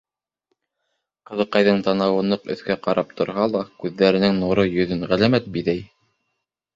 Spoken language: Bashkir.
Ҡыҙыҡайҙың танауы ныҡ өҫкә ҡарап торһа ла, күҙҙәренең нуры йөҙөн ғәләмәт биҙәй.